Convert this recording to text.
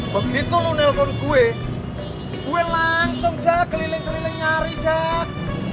begitu lu nelpon gue gue langsung jat keliling keliling nyari jat